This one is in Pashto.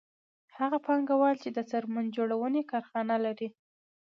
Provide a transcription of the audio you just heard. هغه پانګوال چې د څرمن جوړونې کارخانه لري